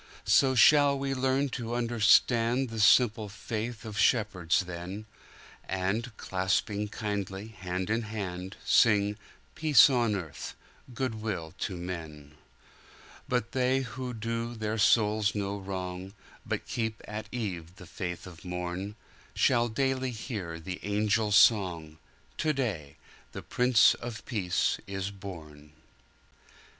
So shall we learn to understandThe simple faith of shepherds then, And, clasping kindly hand in hand, Sing, "Peace on earth, good will to men!"But they who do their souls no wrong, But keep at eve the faith of morn, Shall daily hear the angel song,"To day the Prince of Peace is born!"